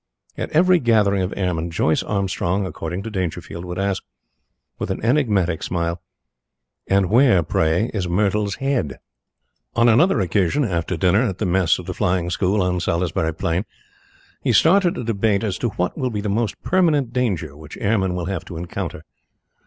At every gathering of airmen, Joyce Armstrong, according to Dangerfield, would ask, with an enigmatic smile: "And where, pray, is Myrtle's head?" On another occasion after dinner, at the mess of the Flying School on Salisbury Plain, he started a debate as to what will be the most permanent danger which airmen will have to encounter.